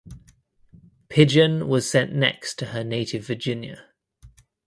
Pidgeon was sent next to her native Virginia.